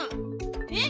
えっ？